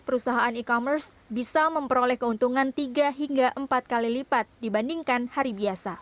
perusahaan e commerce bisa memperoleh keuntungan tiga hingga empat kali lipat dibandingkan hari biasa